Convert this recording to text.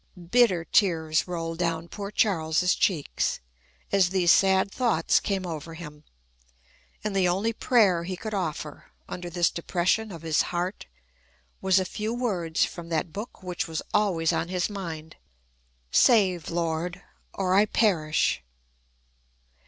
Bitter tears rolled down poor Charles's cheeks, as these sad thoughts came over him; and the only prayer he could offer, under this depression of his heart, was a few words from that book which was always on his mind, "Save, Lord, or I perish."